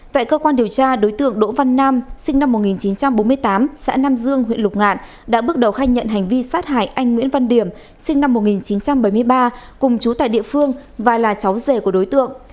tại cơ quan điều tra đối tượng đỗ văn nam sinh năm một nghìn chín trăm bốn mươi tám xã nam dương huyện lục ngạn đã bước đầu khai nhận hành vi sát hại anh nguyễn văn điểm sinh năm một nghìn chín trăm bảy mươi ba cùng chú tại địa phương và là cháu rể của đối tượng